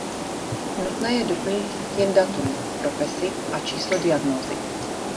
Nutné je doplnit jen datum, profesi a číslo diagnózy.